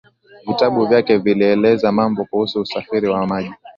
vitabu vyake vilieleza mambo kuhusu usafiri wa maji